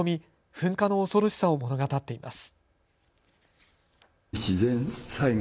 噴火の恐ろしさを物語っています。